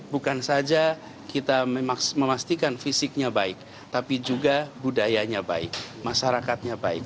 bukan saja kita memastikan fisiknya baik tapi juga budayanya baik masyarakatnya baik